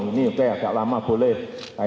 ini udah agak lama boleh